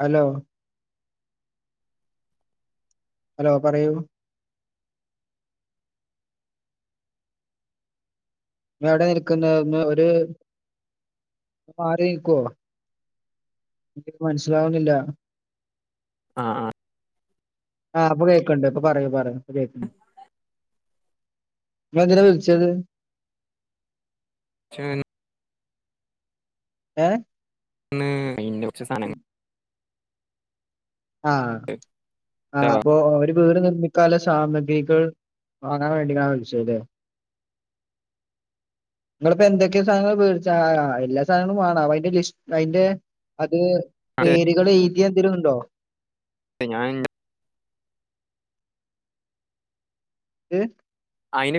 Hello hello പറയൂ ങ്ങളെവിടെ നിൽക്കുന്നെ ഒരു മാറി നിൽക്കോ എനിക്ക് മനസ്സിലാവുന്നില്ല? ആ ആ ആ ഇപ്പൊ കേക്കണ്ട് ഇപ്പൊ പറയൂ പറയൂ പ്പൊ കേക്ക ങ്ങളെന്തിനാ വിളിച്ചത് ന [unintelligible] ഏ [inaudible] കൊറച്ച് സനങ്ങ ആ ആ അപ്പൊ അവര് വീട് നിർമ്മിക്കാല്ലെ സാമഗ്രികൾ വാങ്ങാൻ വേണ്ടിങ്ങാണ് വിളിച്ചത് ല്ലെ [inaudible] ങ്ങളിപ്പോ എന്തൊക്കെ സാധനങ്ങള് വേടിച്ചാ എല്ലാ സാധനങ്ങളും വാണ പ്പയിൻ്റെ ലിസ് അയിൻ്റെ അ ത് പേരുകൾ എഴുതിയെന്തെലോക്കെണ്ടോ അ ഞാൻ ൻ്റെ ഏ അയിന്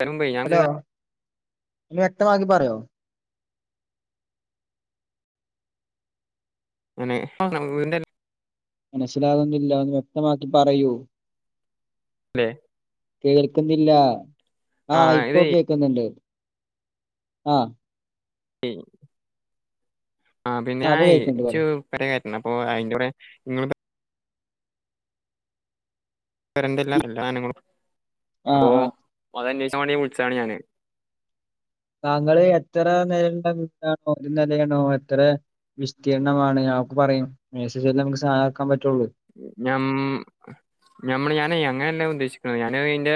തരുമ്പെ ഞാൻ ഹലോ ചെയ്ത ഒന്ന് വ്യക്തമാക്കി പറയോ [unintelligible] മനസ്സിലാകുന്നില്ല ഒന്ന് വ്യക്തമാക്കി പറയോ ല്ലെ കേൾക്കുന്നില്ലാ ആ ആഹ് ഇപ്പോ ഇതേ കേൾക്കുന്നുണ്ട് ആ [unintelligible] ആ പിന്നെയാ അപ്പൊ കേൾക്കുന്നുണ്ട് പറ ഇച്ചു പലകാര്യണ്ട് അപ്പൊ അതിന്റെ കൂടെ ഇങ്ങൾ [unintelligible] അപ്പൊ ആഹ് ആഹ് അതന്യോഷി ക്കാൻ വെണ്ടി വിളിച്ചതാണ് ഞാന് താങ്കൾ എത്ര നിലൻ്റെ വീടാ നോക്കുന്നത് [inaudible] എത്ര വിസ്തീർണമാണ് അതൊക്കെ പറയും മേസേജെല്ലാം നമുക്ക് സാധനം നെറക്കാൻ പ ഞം ഞമ്മള് ഞാനെ അങ്ങനെല്ല ഞാൻ ഉ ഉദ്ദേശിക്കണെ ഞാനയിന്റെ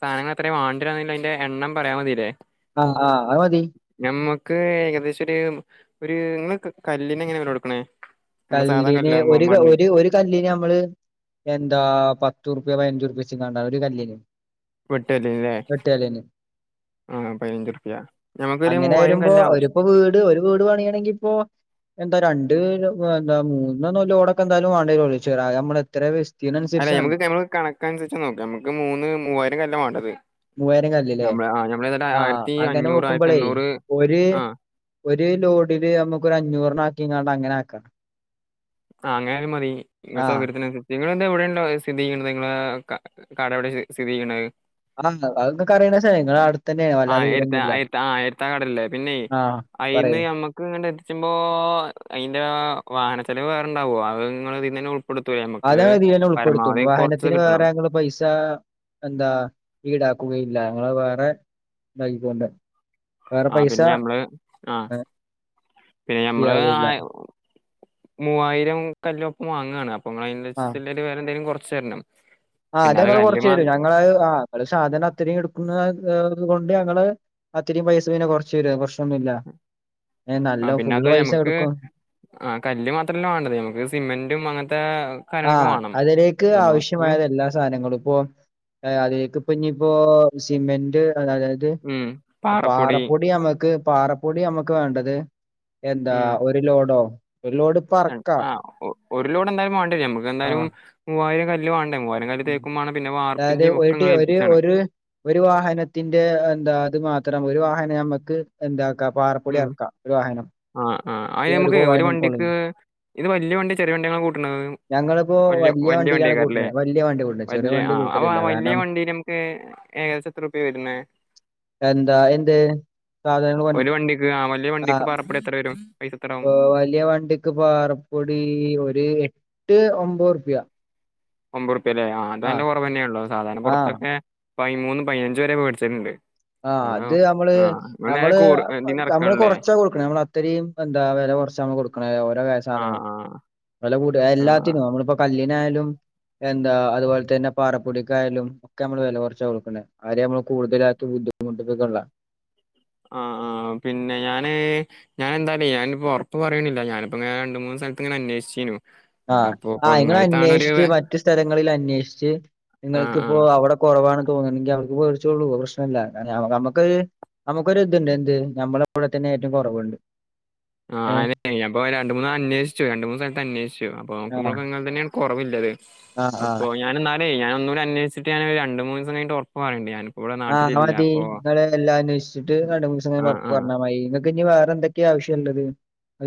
സാധനങ്ങളെത്രയ വാണ്ടിരാന്ന്ള്ള അതിന്റെ എണ്ണം പറയാൻ മതീല്ലേ ആഹ് ആഹ് അത് മതി നമ്മക്ക് ഏകദേഷോരു ഒര് ഇങ്ങള് കല്ലിനെങ്ങനെ വെല കൊടുക്കണേ നമ്മ സാധാ കല്ലിനെ കല്ലാവുമ്പോ ഒരു ക മണ്ണിൽ ഒരു ഒരു കല്ലിന് നമ്മള് എന്താ പത്തുറുപ്യ പതിനഞ്ചുറുപ്യ വെച്ച്ട്ട ഒരു കല്ലീന് വെട്ട്കല്ലിന്ലെ അങ്ങനെ മൂവായിരം വരുമ്പോ കല്ല് ആവശ്യം ഒരുപ്പോ വീട് ഒരു വീട് പണിയണെങ്കിപ്പോ എന്താ രണ്ട് എന്താ മൂന്നന്ല്ലോടൊക്കെ എന്തായാലും വെണ്ടിവരും [unintelligible] നമ്മള എത്ര വിസ്തീർണം അല്ലെ അനുസരിച്ചാണ് നമുക്ക് നമ്മ കണക്കനുസരിച്ച് നോക്കാ നമുക്ക് മൂന്ന് മൂവായിരം കല്ല് വാണ്ടത് മൂവായിരം കല്ല്ല്ലേ ആ ആയിരത്തി അങ്ങനെ അഞ്ഞൂറ് ആയിരത്തി നോക്കുമ്പോളേ എണ്ണൂറ് ഒര് ആഹ് ഒരു ലോഡില് നമുക്കെരഞ്ഞൂറെണാക്കിങ്ങാണ്ടങ്ങനെ ആക്ക ആ അങ്ങനാലും മതി ഇങ്ങളെ ആഹ് സൗകര്യത്തിനനുസരിച്ച് നിങ്ങളെന്താ ഇവിടെണ്ട സ്ഥിതി ചെയ്യണത് നിങ്ങളെ കട എവിടെ സ്ഥിതി ചെയ്യണെ ആ [unintelligible] ക്ക് അറിയണ സ്ഥലാ ഇങ്ങളെ അടു ആ എടുത്താ ആ എടുത്താ ആ എഴുത്താ കടല്ലേ പിന്നെ ആഹ് അയിന്ന് പറയൂ. ഞമ്മക്ക് ഇങ്ങനെ പ്പോ അയിൻ്റാ വാഹന ചെലവ് വേറെണ്ടാവോ അത്ങ്ങൾ ഇതിനെന്നെ കൊ അതങ്ങൾ ഇീതിനെന്നെ ഉൾപ്പെടുത്തും കൊറച്ച് വാഹനത്തിന് കിട്ടണം വേറെ ഞങ്ങൾ പൈസാ എന്താ ഈടാക്കുകയില്ല ങ്ങളത് വേറെ താക്കിക്കൊണ്ട് ആ പിന്നെ ഞമ്മള് ആ ഏഹ് പിന്നെ ഞമ്മള് ആ ഈടാക്കുകയില്ല. മൂവായിരം കല്ല് ഒപ്പം വാങ്ങാണ് അപ്പൊ നമ്മള് അതിന് അനുസരിച്ചുള്ള വെല എന്തെങ്കിലും കുറച്ചു തരണം ആ പിന്നെ അത് ഞങ്ങള്ൾ കല്ല് കൊറച്ചു മാ തരും ഞങ്ങള് ഞങ്ങള് സാധനം എത്ര എടുക്കുന്ന് അ അതുകൊണ്ട് ഞങ്ങള് അത്രയും പൈസ പിന്നെ കുറച്ച് തരും പ്രശനൊന്നുമില്ല ഏ ആ നല്ലോ പിന്നെ ഫുള്ള് അതുപോലെ പൈസ നമുക്ക് എടുക്കും ആ കല്ല് മാത്രല്ല വേണ്ടത് നമുക്ക് സിമെന്റും അങ്ങനത്തെ കാര്യങ്ങളൊക്കെ വാണം ക്ക് ആവശ്യമായ എല്ലാ സാധനങ്ങളും ഇപ്പൊ ഏഹ് അതിലേക് ഇഞ്ഞി ഇപ്പൊ സിമെന്റ് അതായത് പാറപ്പൊടി നമ്മക്ക് പാറപ്പൊടി നമ്മക്ക് വേണ്ടത് എന്താ ഉം ഒരു ലോഡോ ഒരു ലോഡ് ഇപ്പൊ അറക്ക ആ ഒരു ലോട് എന്തായാലും വാണ്ടി വരും നമുക്ക് എന്തായാലും ആഹ് മൂവായിരം കല്ല് വാ നങ്ങാടി ഉം ത്തേക്കുമാണം പിന്നെ അതായത് ഒരു ഇങ്ങനെ ഒരു ഏൽപ്പിച്ചാണ് ഒരു ഒരു വാഹനത്തിന്റെ എന്താ അത് മാത്രം ഒരു വാഹ നമുക്ക് എന്ത പാറപ്പൊടി ഉം അറക്ക ഒരു വാഹനം ആ ആ അതിന് പിന്നെ ഒരു നമുക്ക് വഹനം കൊളു വണ്ടിക്ക് ഇത് വലിയ വണ്ടി ചെറിയ വണ്ടിയാണ് കൂട്ടുന്നത് ഞങ്ങളിപ്പോ വലിയ വല്യ വലിയ വണ്ടിയിലാണ് വണ്ടിയക്കാറല്ലേ കൂട്ടുന്നത് വല്യ വണ്ടി കൂട്ടുന്നത് ചെറിയ വലിയ ആ വണ്ടി അപ്പൊ ആ കൂട്ടലില്ല വലിയ കാരണം വണ്ടി നമുക്ക് ഏകദേശം എത്ര റുപ്യ വരുന്നെ എന്താ എന്ത് സാധനങ്ങൾ കൊ ഒരു വണ്ടിക്ക് ആ വലിയ വണ്ടിക്ക് പറപൊടി എത്ര വരും പൈസ എത്രാവും ഇപ്പ വലിയ വണ്ടിക്ക് പാറപ്പൊടി ഒരു എട്ട് ഒമ്പത് റുപ്യ ഒമ്പത് റുപ്പ്യല്ലേ ആ അത് ആഹ് നല്ല കുറവ്ന്നെയാള്ളോ സാധാരണ ആഹ് പുറത്തൊക്കെ പതിമൂന്ന് പതിനഞ്ച് വരെ വെടിച്ചാല്ണ്ട് ആ അത് നമ്മള് നമ്മള് കൂ ഇതിന്ന് നമ്മള് ഇറക്കാണല്ലേ കൊറച്ചാ കൊടുക്കണ നമ്മള് അത്രയും എന്താ വല കൊറച് ആണ് കൊടുക്കണ് ഓരോ ആ ബേച്ചണെങ്കിലും ആ വെല കൂടി ആ എല്ലാത്തിനും നമ്മളിപ്പോ കല്ലിനായാലും എന്താ അതുപോലെന്നെ പാറപ്പൊടിക്കായയാലും ഒക്കെ നമ്മള് വില കുറച്ച കൊടുക്കണെ ആദ്യം നമ്മള് കൂടുതലാക്കി ബുദ്ധിമുട്ടിക്കിള്ള ആഹ് ആ പിന്നെ ഞാന് ഞാൻ എന്തായാലേ ഞാനിപ്പോ ഉറപ്പ് പറയണില്ല ഞാനിപ്പൊ രണ്ട് മൂന്ന് സ്ഥലത്ത് ഇങ്ങനെ അന്വേഷിച്ചിന്നു ആഹ് ആ നിങ്ങള് അന്വേഷിച്ച വേ- മറ്റു സ്ഥല ത്തിൽ അന്വേഷിച്ച് ആ ആ നിങ്ങൾക്കിപ്പോ അവിടെ കുറവാണ് തോന്നണെങ്കിൽ അവിടന്ന് വേടിച്ചോള്ളൂ പ്രശ്നല്ല നമ്മക് നമുക്കൊരു ഇതുണ്ട് എന്ത് നമ്മളെ പോലെ തന്നെ ഏറ്റവും കുറവുണ്ട് ആ അയനെ ഞാനിപ്പൊ രണ്ട് മൂന്ന് അന്വേഷിച്ചു രണ്ട് മൂന്ന് സ്ഥലത്ത് അന്വേഷിച്ചു അപ്പൊ ആഹ് നോക്കുമ്പോഴക്കെ നിങ്ങൾതന്നെയ കൊറവില്ലത് ആഹ് ആഹ് അപ്പോ ഞൻ ന്ന അ ഞാന് ഒന്നൂടെ അന്വിച്ട്ട് ഞൻ ഒരു രണ്ട് മന്ന് ദിവസം കഴിഞ്ഞിട്ട് ഉറപ്പ് പറയണ്ട് ഞാന് ആഹ് മതി നിങ്ങള് എല്ലാം അന്വേഷിച്ചിട്ട് രണ്ട് മൂന്ന് ദിവസം ആ കഴിഞ്ഞിട്ട് ആ ഉറപ് പറഞ്ഞാ മതി നിങ്ങക്ക് ഇനി വേറെന്തൊ ഒക്കെ ആവശ്യംമുള്ളത്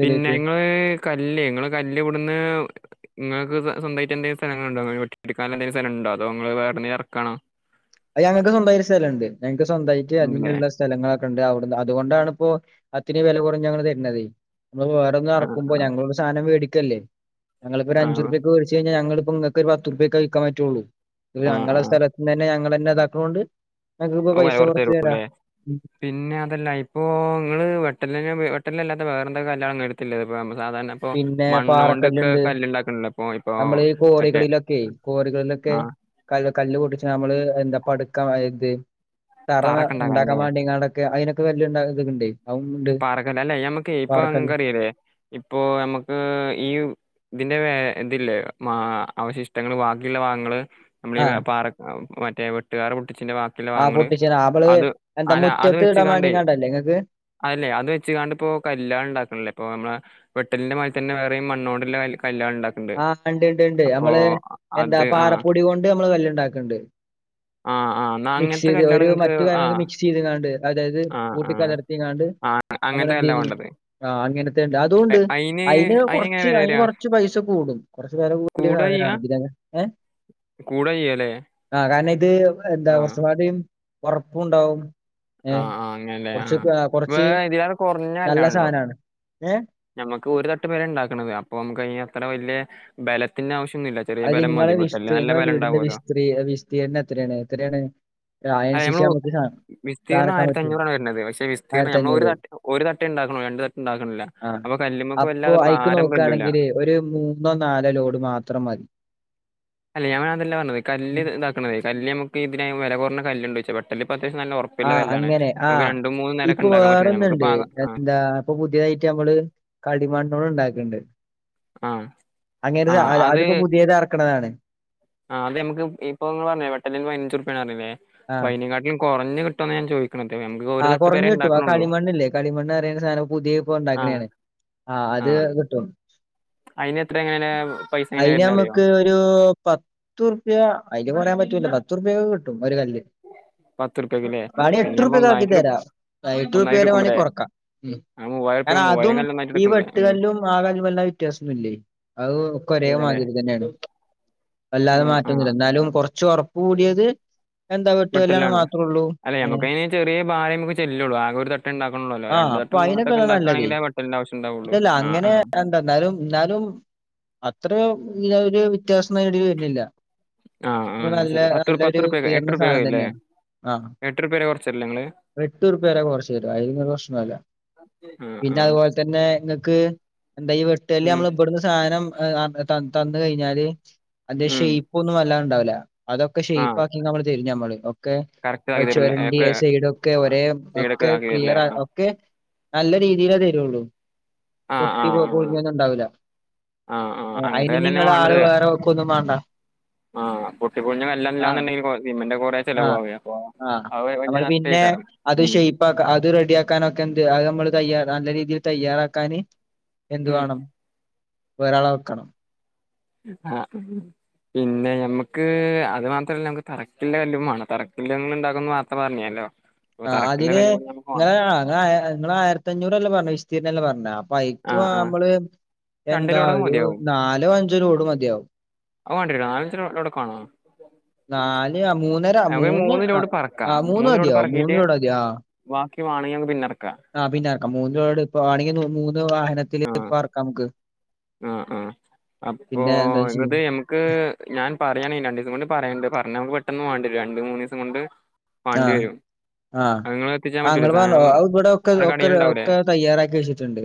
പിന്നെ ങ്ങള് കല്ല് നിങ്ങള് കല്ല് ഇവിടുന്ന് നിങ്ങക്ക് സ്വന്തായിട്ട് എന്തങ്കിലും സ്ഥലങ്ങളുണ്ടോ വെട്ടിയെടുക്കാൻ എന്തങ്കിലും സ്ഥലങ്ങൾ ഉണ്ടോ അതോ നിങ്ങൾ വേറെന്നെ ഇറക്കണോ അത് ഞങ്ങൾക്ക് സ്വന്തായി ഒരു സ്ഥലംണ്ട് ഞങ്ങക്ക് സ്വന്തായിട്ട് ഇല്ലേ അതിനുള്ള സ്ഥലങ്ങളൊക് ക്കണ്ട് അവിടുന്ന് അതുകൊണ്ടാണ് ഇപ്പോ അത്തിരേം വില കുറഞ്ഞു ഞങ്ങൾ തര്ണതേ നമ്മൾ വേറെ ഒന്ന് ആ ഇറക്കുമ്പോ ആ ഞങ്ങുടെ സാധനംവേടിക്കല്ലേ ഞങ്ങൾ ഇപ്പോൾ ഒരു ആ അഞ്ചു ഉർപ്യക്ക് വേടിച്ച് കഴിഞ്ഞാൽ ഞങ്ങള് ഇപ്പം നിങ്ങക്ക് ഒരു പത്ത് ഉർപ്യക്കെ വിൽക്കാൻ പറ്റുള്ളൂ ആ ആ ഞങ്ങളുടെ സ്ഥലത്തു തന്നെ ഞങ്ങളന്നെ ഇതാക്കണോണ്ട് ഇങ്ങൾക്ക് ഓ വില പൈസ കുറച്ച് തരും കുറച്ചു തരാ പിന്നെ അതല്ല ഇപ്പൊ നിങ്ങള് വെട്ടലിന വെട്ടല്ലാത്ത വേറെ എന്തൊക്കെ കല്ലാണ് നിങ്ങളുടെ എടുത്തില്ലേ ഇപ്പൊ ന സാധാരണ ഇപ്പൊ പിന്നെ മണ്ണോണ്ടൊക്കെ പാറക്കല്ലുണ്ട് കല്ല് ഇണ്ടാക്കണില്ലേ ഇപ്പൊ ഇപ്പൊ മറ്റേ ക്കെ ആ കല്ല് കല്ല് പൊട്ടിച്ച് നമ്മള് എന്താ പടുക്ക ഏത് തറ തറൊക്കെ ഉണ്ടാക്കാൻ ഉണ്ടാക്കാനല്ലേ വണ്ടിയാണ്ടൊക്കെ അതിനൊക്കെ കല്ല് ഇണ്ടാക്കിണ്ടെ പാറക്കല് അല്ല നമ്മക്ക് ഇപ്പ നിങ്ങൾക്കറിയില്ലേ ഇപ്പൊ ഞമ്മുക്ക് ഈ ഇതിന്റെ ഇതില്ലേ മാ അവശിഷ്ടങ്ങള് ബാക്കിയുള്ള ഭാഗങ്ങള് നമ്മളീ ആഹ് പാറ മറ്റേ വെട്ടുകാർ അച്ചിന്റെ ബാക്കിയുള്ള ആ ഭാഗങ്ങൾ പൊട്ടിച്ചത് നമ്മള് അത് എന്താ അല്ല അത് മുറ്റത്ത് ഇടാൻ വെച്ച്കാണ്ടയ്. വേണ്ടിങ്ങാണ്ടല്ലേ ഇങ്ങക്ക് അതല്ലെ അത് വെച്ചുകാണ്ട് ഇപ്പോ കല്യാള് ഇണ്ടാക്ണ്ല്ലേ ഇപ്പൊ നമ്മള് വെട്ടലിന്റെ മാതിരി തന്നെ വേറെയും മണ്ണോണ്ട്ള്ള കല്ല് ആ ഇണ്ട് ഇണ്ട് ഇണ്ട് നമ്മള് എന്താ അത് ആ പാറപ്പൊടി കൊണ്ട് നമ്മള് കല്ല് ഇണ്ടാക്ക്ണ്ട്. ആ ആ എന്നാ മിക്സ് അങ്ങനത്തെ ചെയ്ത് കല്ലാണ് ഒരു നിങ്ങക്ക് മറ്റു ആ കാര്യങ്ങളൊക്കെ മിക്സ് ചെയ്ത്ങ്ങാണ്ട് അതായത് ആ ആ കൂട്ടിക്കലർത്തി കാ ണ്ട് അങ്ങനത്തെ നമ്മളെന്ത് കല്ലാണ് ചെയ്യുന്നു വേണ്ടത് ആ അങ്ങനത്തെ ഇണ്ട് അതൂണ്ട് എ- അയിന് അതിന് അയിനെങ്ങനെ കൊറച്ച് വില അതിന് വരിക കൊറച്ച് പൈസ കൂടും കുറച്ചു വെല കൂടിയ കൂടെ ചെയ്യാ സാധനാണ് ഇതിലെന്നെ ഏ കൂടെ ചെയ്യല്ലേ ആ കാരണം ഇത് എന്താ ആ കുറച്ചുപാടും ഉറപ്പുണ്ടാവും. ഏ ആ ആ അങ്ങനല്ലേ ആ കുറച്ച് ഒകെ കൊറച്ച് വേറെ ഇതിലേറെ നല്ല സാധനാണ്. ഏഹ് ഞമക്ക് ഒരു തട്ട് പെരെ ഇണ്ടാക്ക്ണന്ത് അപ്പൊ നമുക്ക് അയിന് അത്ര വലിയ ബലത്തിന്റെ ആവശ്യ അത്ങ്ങളെ വിശ്തി ഇങ്ങളെ വീടിന്റെ ഉണ്ടാവുമല്ലോ വിസ്തീ വിസ്തീരണം എത്രയാണ് എത്രയാണ്? അല്ല നമ്മള് അയിനനുസരിച്ച് നമുക്ക് സാ സാധനം വിസ്തീർണം ഇറക്കാൻ ആയിര പറ്റും ത്തഞ്ഞൂറാണ്ണ് വരുന്നത്. പക്ഷെ വിസ്തീർണം നമ്മൾ ഒരു ആയിരത്തഞ്ഞൂറ് ത ഒരു തട്ടേ ഇണ്ടാക്ക് ണൊ ള്ളു രണ്ടു തട്ട് ഇണ്ടാക്ക്ണില്ല. ആഹ് അപ്പൊ ഐക്ക് നോകാണെങ്കില് ഒരു മൂന്നോ നാലോ ലോഡ് മാത്രം മതി. അല്ല ഞാൻ വേ അതല്ല പറഞ്ഞത് കല്ല് ഇതാക്കുന്നത് കല്ല് നമുക്ക് ഇതിന് വില കുറഞ്ഞ കല്ണ്ടോയ്ച്ച വെട്ടല്ല് ആ അങ്ങനെ ആ മൂന്നും നിലയൊക്കെ ഇപ്പൊ ഉണ്ടാക്കാൻ പറ്റുന്നുണ്ട് നമുക്ക് ഇപ്പൊ വേറൊന്ന്ണ്ട് ആകെ- ആ എന്താ ഇപ്പൊ പുതിയതായിറ്റ നമ്മള് കടിമണ്ണോണ്ട് ണ്ടാക് ക്ക്ണ്ട്. ആ ആ അങ്ങനതെ അതിപ്പോ പുതിയത് ഇറക്കണതാണ്. ആഹ് അതമക്ക് ഇപ്പോ നിങ്ങള് പറഞ്ഞിലെ വെട്ടലിന് പതിനഞ്ചു റുപ്പിയണ് പറഞ്ഞിലേ അപ്പോ ആഹ് അതിനേക്കാട്ടിലും കുറഞ്ഞ് കി ട്ടോ ഞാൻ ചോ ആഹ് കുറഞ്ഞു കിട്ടും ആ കളിമണ്ണില്ലേ കളിമണ്ണ് പറയ്ണ സാധനം പുതിയ ഇപ്പ ഇണ്ടാക്ക ആ ണയാണ്. ആ അത് കിട്ടും. അയിന് എത്ര എങ്ങനെ പൈസ എങ്ങനെ അതിന് വരുന്ന അറിയോ നമുക്ക് ഒരു പത്ത്റുപ്യ അതിന് കൊറയാൻ പറ്റൂല പ ത്തുറുപിയക്കൊക്കെകിട്ടും ഒരു കല്ല് പത്ത് ഉറുപ്പ്യക്ക് അല്ലേ വേണേ പിന്നെ ഏട്ട്റു നമ്മൾ റുപ്യക്കാക്കി ഒന്നായിട്ട് തരാ എടുക്കും ആ എട്ടുറുപ്യ ഒന്നായിട്ട് വരെ വാണേ എടുക്കുമ്പോഴേ കൊറക്കാ ഉം ആ മൂവായിരം ഉറുപ്പ്യ കാരണം മൂവായിരം അതും കല്ല് ഒന്നായിട്ട് ഈ എടുക്കണല്ലേ ഉം വെട്ടുകല്ലും ആ കല്ലും വല്ലാ വ്യത്യാസൊന്നുല്ലേ അത്ഒക്കെ ഒരേ ഇല്ലല്ലേ മാതി രി തന്നെയാണ്. വല്ലാതെ ഉം ആ മാറ്റൊന്നില്ല എന്നാലും കൊറച്ച് ഒറപ്പ് കൂടിയത്. എന്താ വെട്ട്കലാണ് വെട്ടലാണ് മാത്ര ഉള്ളൂ അല്ല ഏ നമുക്കതിന് ചെറിയ ഭാരേ അയ്മക്ക് ചെല്ലൊള്ളു ആകെ ഒരു തട്ടേ ഇണ്ടാക്ണൊള്ളല്ലോ ആഹ് രണ്ട് അപ്പൊ തട്ടും മൂന്ന് തട്ടും ഒക്കെ അയിനൊക്കെയല്ലേ നല്ലത്. ഇണ്ടാക്കാണെങ്കിലേ വെട്ടലിന്റെ ആവശ്യണ്ടാവൊള്ളു. ഇതല്ല അങ്ങനെ എന്തന്നാലും എന്നാലും അത്ര വല്യ ഒരു വ്യത്യാസം നേടി വരുന്നില്ല. ആ ആ ഇത് എന്നാ നല്ല ശരി പത്ത് രൂ- പത്ത് നല്ലൊരു റുപ്യ എട്ട് ഉയർന്ന റുപ്യ സാധനം ഇല്ലേ തന്നെയാണ് ആ എട്ട് റുപ്യ കുറച്ചല്ലേ നിങ്ങള് എട്ട് ഉറുപ്പേരെ കൊറച്ചു തരും അയിനൊന്നൊരു പ്രശ്നോല്ല. ആ ആ പിന്നെ അതുപോലെ തന്നെ നിങ്ങക്ക് എന്താഈ വെട്ടല് ഉം നമ്മൾ ഇബടുന് സാധനം തന്ന് കഴിഞ്ഞാല് അതിന്റെ ഉം ഷേ്പ് ഒന്നും വല്ലാണ്ടാവൂല്ല. അതൊക്കെ ആ ഷേപ് ആക്കി നമ്മള് തെരും ഞമ്മള് ഒക്കെ കറക്റ്റ് അത് ആക്കി തരില്ലേ ചൊരണ്ടി ഒക്കെ സൈഡ് ഒക്കെ ഒരേ വീടൊക്കെ ഒക്കെ ആക്കി തരില്ലേ ക്ലിയർ ആ ഒക്കെ നല്ല രീതിലേ തരൊള്ളു. ആ ആ പൊട്ടി പോ ആ പൊളിഞ്ഞൊന്നും ഇണ്ടാവൂല്ലാ. ആ ആ അങ്ങനത്തെ അതിന് നിങ്ങള് ആള് വേറെ വെക്കൊന്നും വാണ്ട. ആഹ് പൊട്ടിപൊളിഞ്ഞ കലല്ലാന്നിണ്ടെങ്കി സിമന്റെ ഒകെ കുറെ ആഹ് ചെലവാകും അപ്പൊ ആഹ് [unintelligible] നമ്മള് പിന്നെ കാരണം അത് ഉം ഷേപ് ആക്കാ അത് റെഡി ആക്ക ക്കാനൊക്കെ എന്ത് അത് നമ്മള് തയ്യാ നല്ല രീതിയിൽ തയ്യാറാക്കാന് എന്തു ഉം വേണം? ഒരാളെ വെക്കണം. ആ പിന്നെ ഞമ്മക്ക് അത് മാത്രല്ല നമുക്ക് തറക്കില്ല കല്ലുംമാണം തറക്കില്ലത് ഇണ്ടാക്കുന്ന് ഇങ്ങൾ നാർത്തെ പറഞ്ഞിനല്ലോ. ആ അതിന് ഇങ്ങൾ നിങ്ങ നിങ്ങൾ ആയിരത്തഞ്ഞൂറ്ല്ലേ പറെഞ്ഞ വിസ്തീർണ ലേ പറ അപൈക്ക് ആഹ് ആഹ് നമ്മള് രണ്ട് എന്താ ലോഡൊക്കെ ഒരു മതിയാവും നാലോ അഞ്ചോ ലോഡ് മതിയാവും. [unintelligible] നാലോ അഞ്ചോ ലോഡൊകെ വാണോ? നാല് ആഹ് മൂന്നര അവര് മൂന്ന് മൂന്നിലോട് ആഹ് പറക്കാം ആഹ് മൂന്ന് മൂന്നിലോട്ട് മതിയാവും മൂന്ന് പറക്കീട്ട് വേണെങ്കിൽ പിന്ന ഇറക്കാ ആ പിന്നാറക്കാം മൂന്ന് ലോഡ് ഇപ്പ ആണെങ്കിൽ [unintelligible] ഇപ്പറക്കാംമുക്ക് ആ ആ അപ്പൊ പിന്നെ എന്താ ചെയ്യാ ഇന്നത്തേ ഞമ്മക്ക് ഞാൻ പറയണ രണ്ടീസം കൊണ്ട് പറയാനണ്ട് പറഞ്ഞ നമക്ക് പെട്ടെന്ന് വേണ്ടി വരും രണ്ട മൂന്നീസം കൊണ്ട് വാണ്ടി ആഹ് വരും ആ അങ്ങൾ പറഞൊ ഇവിടെ ഒക്കെറ അവടെ ഒക്കെ കടയില്ണ്ടാവൂലേ ഒക്കെ തയ്യാറാക്കി വെച്ചിട്ടുണ്ട്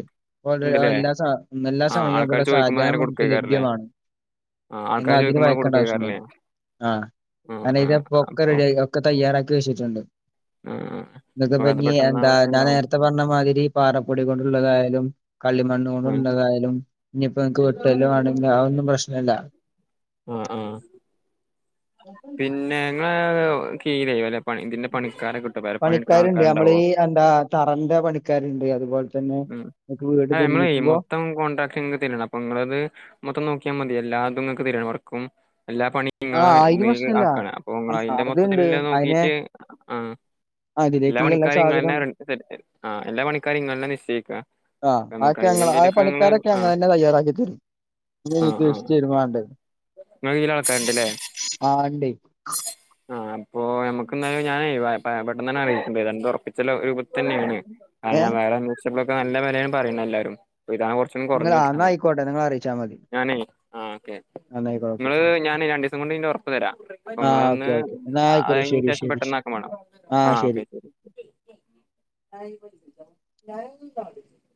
ഇണ്ട്ലേ എല്ലാ സ എല്ലാ ആഹ് സമയവും ആൾക്കാര് വിടെ സാജ ചോദിക്കുമ്പോ നേരെ മുക്കു കൊടുക്കേക്കാരല്ലേ ലഭ്യമാണ് ആഹ് ഞങ്ങ ആൾക്കാര് അതിന് ചോദിക്കുമ്പോ വായിക്കേണ്ട ആവശ്യം കൊടുക്കേക്കാരല്ലേ ഒന്നുല്ല ആ ആ അനെ ആ ഇത്പ്പൊ ഒക്കെ അപ്പൊ റെഡി ഒക്കെ തയ്യാറാക്കി വെച്ചിട്ടുണ്ട് ആ എന്നൊക്കപ്പ നമുക്കത് ഇനി പെട്ടെന്ന് എന്താ ആവശ്യം ഞാൻ ഉണ്ടാവും നേരത്തെ പറഞ്ഞമാതിരി പാറപ്പൊടി കൊണ്ടുള്ളതായാലും കള്ളിമണ്ണ് ആ കൊണ്ട് ഉണ്ടതായാലും ഇനിയിപ്പോ നക്ക് വെട്ടല്ല് വണെങ്കിലും അതൊന്നും പ്രശ്നമല്ല ആ ആ പിന്നെ ങ്ങള് കീലയില്ലെ പണി ഇതിന്റെ പണിക്കാരെ കിട്ടുവോ പേരെ പണിട്ക്കണ പണിക്കാരുണ്ട് നമ്മള് ആൾക്കാരുണ്ടാവോ ഈ എന്താ തറന്റെ പണിക്കാരുണ്ട് [inaudible] ആ മ്മളേ നിർമ്മിക്കുമ്പോ മൊത്തം കോൺട്രാക്ട് ഇങ്ങ തരണം അപ്പ നിങ്ങളത് മൊത്തം നോക്കിയാ മതി എല്ലാതും [unintelligible] എല്ലാ പണിയും ആഹ് ഇങ്ങളെ അയിന് നി പ്രശ്നല്ല. ആക്കണം അപ്പൊ ആഹ് ഇങ്ങളയിന്റെ അതുണ്ട് മൊത്തത്തില്ള്ള അയിന് നോക്കിട്ട് ആ എല്ലാ അതിലേക്കുള്ള പണിക്കാരും ഇങ്ങന്നെ സാധനം [unintelligible] എല്ലാ പണിക്കാരും ഇങ്ങളന്നെ നി ആ ആക്കെ ഞങ്ങള ആ നിങ്ങള് പണിക്കാരൊക്കെ ആ ഞങ്ങളന്നെ തയ്യാറാക്കി തരും [unintelligible] നങ്ങൽളക്കാണ്ടല്ലേ ആ ഇണ്ടേ ആഹ് ഇപ്പോ നമുക്ക് എന്തായാലും ഞാനെ പയ പെട്ടെന്ന് തന്നെ അറിയിക്കണ്ട് രണ്ടൊറപ്പിച്ച രൂപത്തിൽ തന്നെയാണ് അത് ഏ ഞാൻ വേറെ പ്പോക്കെ നല്ല വെലയും പറയുണെല്ലാരും പ്പ ഇതാ കൊറച്ചൊ നിങ്ങള് കുറഞ്ഞു ആ എന്നാ കിട്ടണത് ആയിക്കോട്ടെ നിങ്ങള് അറിയിച്ചാ മതി ഞാനേ ആ ഓക്കെ എന്നാ ആയിക്കോട്ടെ നിങ്ങള് ഞാന് രണ്ടു ദിവസം കൊണ്ട് ഉറപ്പ് തരാ ആ ഓക്കെ അമ്മളൊന്ന് ഓക്കെ എന്നാ ആയിക്കോട്ടെ അതിന് ശരി ശേഷം ശരി ശരി. പെട്ടന്നാക്കാൻ വേണം ആ ഓക്കെ ശരി ഞ ഞ ഒ [unintelligible]